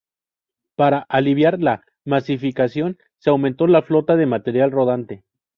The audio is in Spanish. Para aliviar la masificación se aumentó la flota de material rodante.